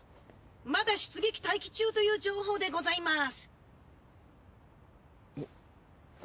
まだ出撃待機中という情報でございます。